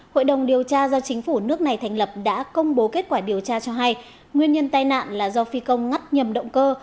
hội đồng điều tra do chính phủ nước này thành lập đã công bố kết quả điều tra cho hay nguyên nhân tai nạn là do phi công ngắt nhầm động cơ